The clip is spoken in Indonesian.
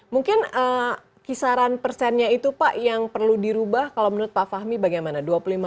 mungkin kisaran persennya itu pak yang perlu dirubah kalau menurut pak fahmi bagaimana